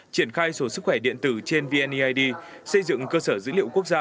triển khai số sức khỏe điện tử trên vneid xây dựng cơ sở dữ liệu quốc gia